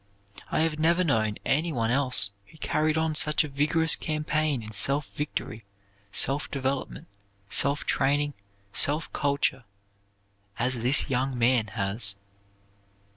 I have never known any one else who carried on such a vigorous campaign in self victory, self development, self training, self culture as this young man has.